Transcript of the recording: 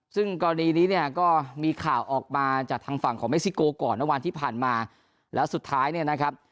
ซึ่งกรณีนี้เนี่ยก็มีข่าวออกมาจากทางฝั่งของเม็กซิโกก่อนเมื่อวานที่ผ่านมาแล้วสุดท้ายเนี่ยนะครับ